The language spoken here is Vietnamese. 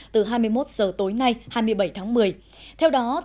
từ hai mươi một h tối nay hai mươi bảy tháng một mươi